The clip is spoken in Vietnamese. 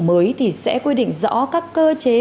mới thì sẽ quy định rõ các cơ chế